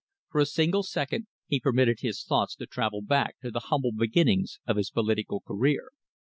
For a single second he permitted his thoughts to travel back to the humble beginnings of his political career.